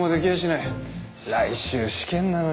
来週試験なのに。